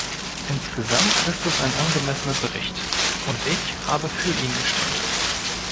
Insgesamt ist es ein angemessener Bericht, und ich habe für ihn gestimmt.